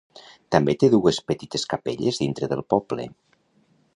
També té dues petites capelles dintre del poble.